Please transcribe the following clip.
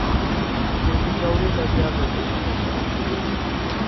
پکورې له پیازو او کچالو سره جوړېږي